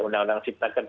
undang undang cipta kerja